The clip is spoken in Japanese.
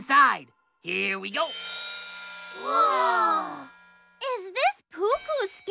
うわ！